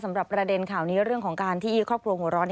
สำหรับประเด็นข่าวนี้เรื่องของการที่ครอบครัวหัวร้อน